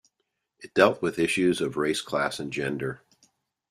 It dealt with issues of race, class, and gender.